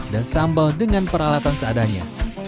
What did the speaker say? dan sambal dengan peralatan seadanya